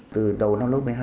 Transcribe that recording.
từ đầu năm lớp một mươi hai